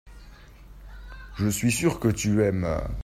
je suis sûr que tu aimes.